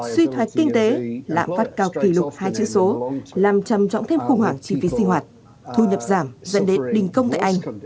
suy thoái kinh tế lạm phát cao kỷ lục hai chữ số làm trầm trọng thêm khủng hoảng chi phí sinh hoạt thu nhập giảm dẫn đến đình công tại anh